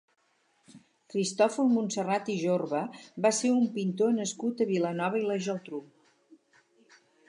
Cristòfol Montserrat i Jorba va ser un pintor nascut a Vilanova i la Geltrú.